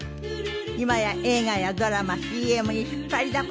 今や映画やドラマＣＭに引っ張りだこの奈緒さん。